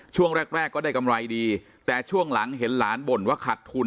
ช่วงแรกแรกก็ได้กำไรดีแต่ช่วงหลังเห็นหลานบ่นว่าขัดทุน